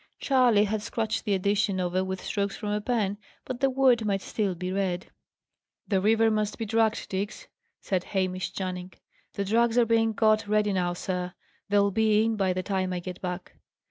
Charley had scratched the addition over with strokes from a pen, but the word might still be read. "The river must be dragged, Diggs," said Hamish Channing. "The drags are being got ready now, sir. They'll be in, by the time I get back."